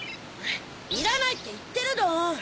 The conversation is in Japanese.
いらないっていってるどん！